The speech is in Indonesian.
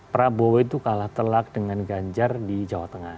prabowo itu kalah telak dengan ganjar di jawa tengah